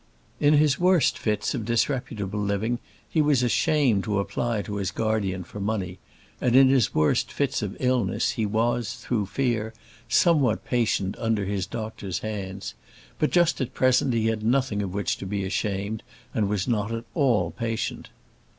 In his worst fits of disreputable living he was ashamed to apply to his guardian for money; and in his worst fits of illness he was, through fear, somewhat patient under his doctor's hands; but just at present he had nothing of which to be ashamed, and was not at all patient.